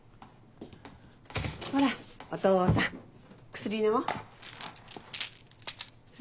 ほらお父さん薬飲もう。